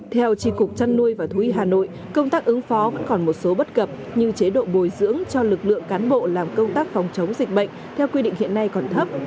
theo tri cục trăn nuôi và thú y hà nội công tác ứng phó vẫn còn một số bất cập như chế độ bồi dưỡng cho lực lượng cán bộ làm công tác phòng chống dịch bệnh theo quy định hiện nay còn thấp